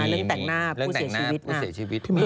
มีเรื่องแต่งหน้าผู้เสียชีวิต